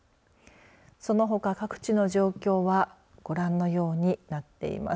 そのほか、各地の状況はご覧のようになっています。